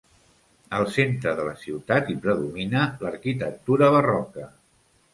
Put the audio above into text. Al centre de la ciutat hi predomina l'arquitectura barroca.